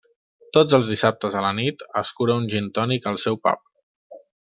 Tots els dissabtes a la nit escura un gintònic al seu pub.